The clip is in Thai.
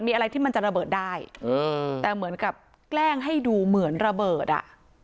มีอะไรที่มันจะระเบิดได้แต่เหมือนกับแกล้งให้ดูเหมือนระเบิดอ่ะ